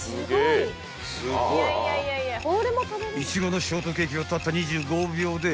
［苺のショートケーキはたった２５秒で］